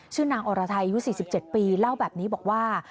นางอรไทยอายุ๔๗ปีเล่าแบบนี้บอกว่า